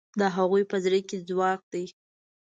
د هغوی په زړه کې ځواک دی.